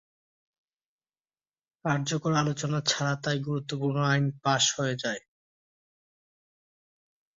কার্যকর আলোচনা ছাড়া তাই গুরুত্বপূর্ণ আইন পাস হয়ে যায়।